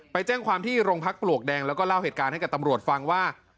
ไปแจ้งความที่โรงพักปลวกแดงแล้วก็เล่าเหตุการณ์ให้กับตำรวจฟังว่า